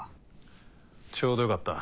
ちょうどよかった。